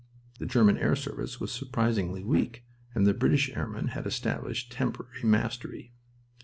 The German air service was surprisingly weak, and the British airmen had established temporary mastery.